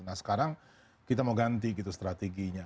nah sekarang kita mau ganti gitu strateginya